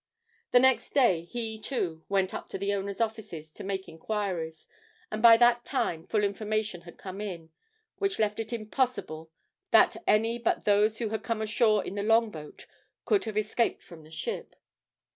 The next day he, too, went up to the owners' offices to make inquiries, and by that time full information had come in, which left it impossible that any but those who had come ashore in the long boat could have escaped from the ship.